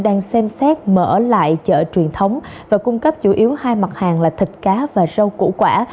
đang xem xét mở lại chợ truyền thống và cung cấp chủ yếu hai mặt hàng là thịt cá và rau củ quả